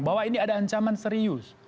bahwa ini ada ancaman serius